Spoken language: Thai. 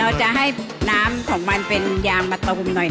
เราจะให้น้ำของมันเป็นยางมะตูมหน่อย